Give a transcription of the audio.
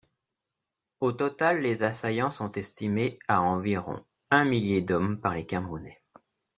Au total, les assaillants sont estimés à environ un millier d'hommes par les Camerounais.